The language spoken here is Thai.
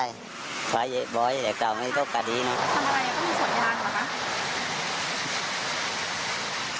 ใช่บอกให้เด็กเก่าไม่ต้องกระดีน้องทำอะไรก็มีสวนยางเหรอคะ